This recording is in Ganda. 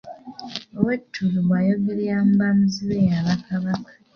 Ow’ettulu bw’ayogerera mu bamuzibe y’aba Kabaka.